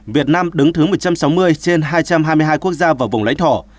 việt nam đứng thứ một trăm sáu mươi trên hai trăm hai mươi hai quốc gia và vùng lãnh thổ